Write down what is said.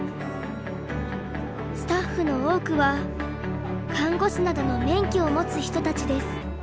スタッフの多くは看護師などの免許を持つ人たちです。